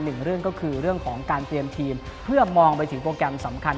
หนึ่งเรื่องก็คือเรื่องของการเตรียมทีมเพื่อมองไปถึงโปรแกรมสำคัญ